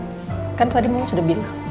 kan tadi mama sudah bilang